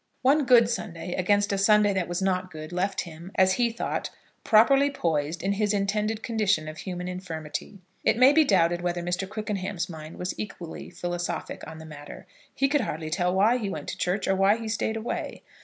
One good Sunday against a Sunday that was not good left him, as he thought, properly poised in his intended condition of human infirmity. It may be doubted whether Mr. Quickenham's mind was equally philosophic on the matter. He could hardly tell why he went to church, or why he stayed away.